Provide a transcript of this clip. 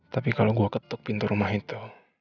tapi kalau gue ketuk pintu rumah itu